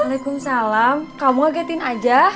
waalaikumsalam kamu ngagetin aja